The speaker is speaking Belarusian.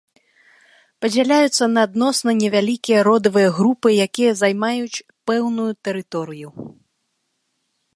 Падзяляюцца на адносна невялікія родавыя групы, якія займаюць пэўную тэрыторыю.